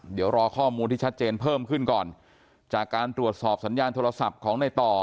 เดี๋ยวรอข้อมูลที่ชัดเจนเพิ่มขึ้นก่อนจากการตรวจสอบสัญญาณโทรศัพท์ของในต่อ